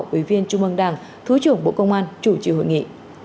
ủy viên trung mương đảng thứ trưởng bộ công an chủ trị hội nghị